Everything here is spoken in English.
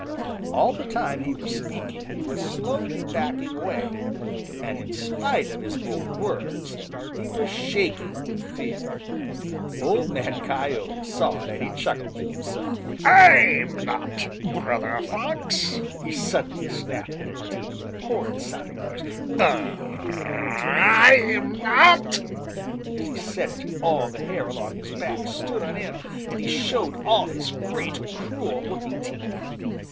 All the time he was speaking, he was slowly backing away, and in spite of his bold words, he was shaking with fear. Old Man Coyote saw it and he chuckled to himself. "I'm not, Brother Fox!" he suddenly snapped, in a deep, horrid sounding voice. "Gr r r r r, I'm not!" As he said it, all the hair along his back stood on end, and he showed all his great, cruel looking teeth.